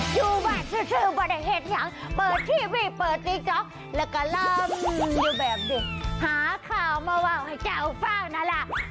อยู่บ้านซื้อบริเฮษยังเปิดทีวีเปิดติ๊กจ๊อกแล้วก็เริ่มหาข้าวมาวางให้เจ้าฟ่าวนั่นแหละ